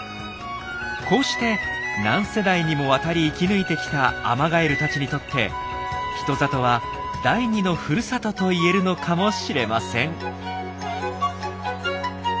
こうして何世代にもわたり生き抜いてきたアマガエルたちにとって人里は第二のふるさとと言えるのかもしれません。